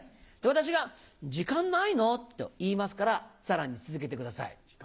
私が「時間ないの？」と言いますからさらに続けてください。